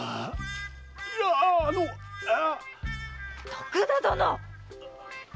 徳田殿っ！